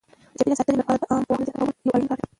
د چاپیریال ساتنې لپاره د عامه پوهاوي زیاتول یو اړین کار دی.